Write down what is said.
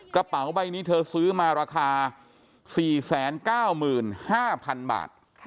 กระเป๋าใบนี้เธอซื้อมาราคา๔๙๕๐๐๐บาท